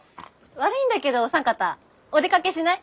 悪いんだけどお三方お出かけしない？